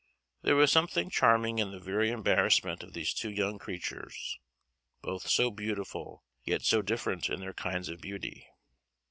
There was something charming in the very embarrassment of these two young creatures, both so beautiful, yet so different in their kinds of beauty.